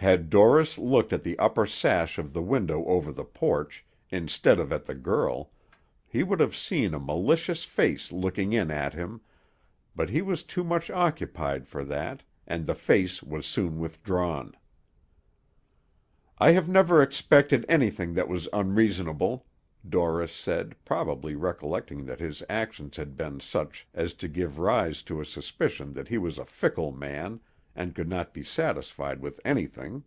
Had Dorris looked at the upper sash of the window over the porch, instead of at the girl, he would have seen a malicious face looking in at him, but he was too much occupied for that, and the face was soon withdrawn. "I have never expected anything that was unreasonable," Dorris said, probably recollecting that his actions had been such as to give rise to a suspicion that he was a fickle man, and could not be satisfied with anything.